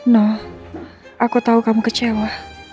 noh aku tahu kamu kecewa